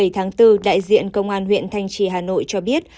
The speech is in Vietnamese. hai mươi bảy tháng bốn đại diện công an huyện thanh trì hà nội cho biết